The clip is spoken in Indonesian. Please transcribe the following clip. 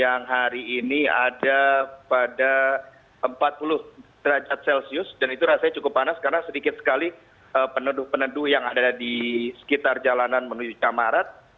yang hari ini ada pada empat puluh derajat celcius dan itu rasanya cukup panas karena sedikit sekali peneduh peneduh yang ada di sekitar jalanan menuju camarat